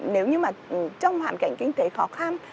nếu như mà trong hoàn cảnh kinh tế khó khăn